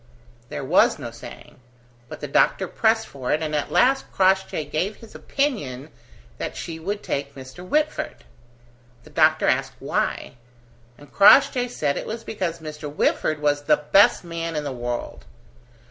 There was no saying; but the doctor pressed for it, and at last Crossjay gave his opinion that she would take Mr. Whitford. The doctor asked why; and Crossjay said it was because Mr. Whitford was the best man in the world.